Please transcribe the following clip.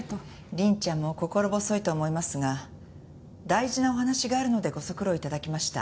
凛ちゃんも心細いと思いますが大事なお話があるのでご足労頂きました。